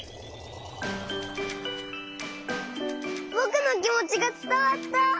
ぼくのきもちがつたわった！